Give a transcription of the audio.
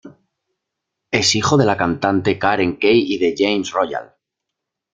Es hijo de la cantante Karen Kay y de James Royal.